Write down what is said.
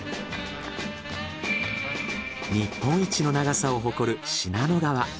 日本一の長さを誇る信濃川。